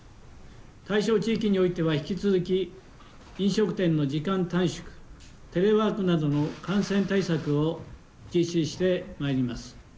対象地域においては引き続き、飲食店の時間短縮、テレワークなどの感染対策を実施してまいります。